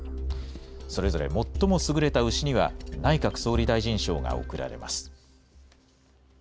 それぞれ最も優れた牛には、内閣総理大臣賞が贈られます。